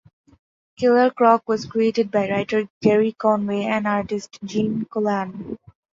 Killer Croc was created by writer Gerry Conway and artist Gene Colan.